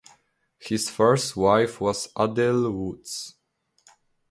His first wife was Adele Woods.